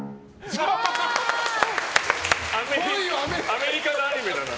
アメリカのアニメだな。